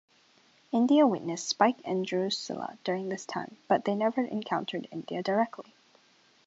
India witnessed Spike and Drusilla during this time, but they never encountered India directly.